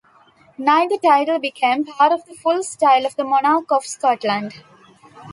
Neither title became part of the full style of the monarch of Scotland.